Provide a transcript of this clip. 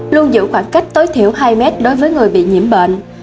luôn giữ khoảng cách tối thiểu hai mét đối với người bị nhiễm bệnh